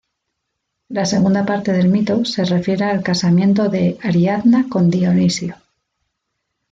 La segunda parte del mito se refiere al casamiento de Ariadna con Dionisio.